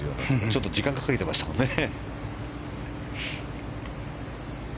ちょっと時間をかけてましたね。